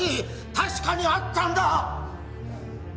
確かにあったんだ！